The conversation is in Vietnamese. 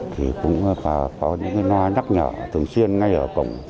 thì cũng có những cái no nhắc nhở thường xuyên ngay ở cổng